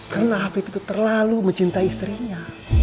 karena afif itu terlalu mencinta istrinya